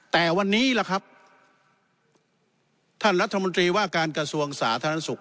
แต่วันนี้ล่ะครับท่านรัฐมนตรีว่าการกระทรวงสาธารณสุข